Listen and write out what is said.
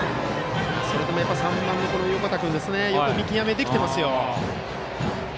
それでも３番の横田君はよく見極めてきていますよ。